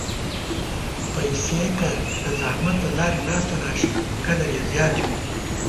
پېسې که د زحمت له لارې لاسته راشي، قدر یې زیات وي.